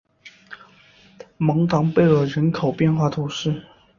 蒙唐贝尔人口变化图示